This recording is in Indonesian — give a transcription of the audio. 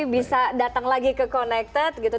bisa datang lagi ke connected gitu